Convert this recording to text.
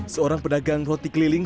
seorang pedagang roti keliling